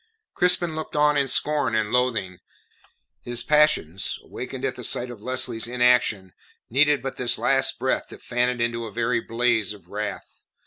Crispin looked on in scorn and loathing. His passions awakened at the sight of Lesley's inaction needed but this last breath to fan it into a very blaze of wrath.